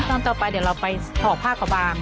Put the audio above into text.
ตอนต่อไปเดี๋ยวเราไปห่อผ้ากระบาง